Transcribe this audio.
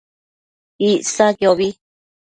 Icsaquiobi